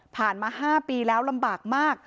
มา๕ปีแล้วลำบากมาก